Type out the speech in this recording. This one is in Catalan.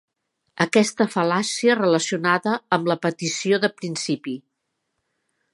Aquesta fal·làcia relacionada amb la petició de principi.